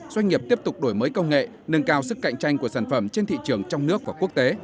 doanh nghiệp tiếp tục đổi mới công nghệ nâng cao sức cạnh tranh của sản phẩm trên thị trường trong nước và quốc tế